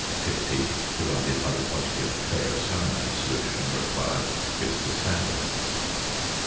Fifty divided by the quantity of "ferrocyanide" solution required gives the standard.